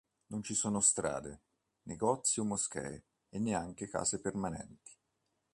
Non ci sono strade, negozi o moschee e neanche case permanenti.